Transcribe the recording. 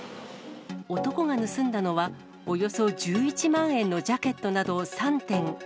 男が盗んだのは、およそ１１万円のジャケットなど３点。